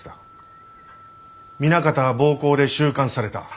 南方は暴行で収監された。